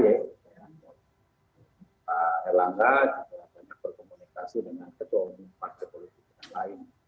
pak erlangga juga banyak berkomunikasi dengan ketua umum partai politik yang lain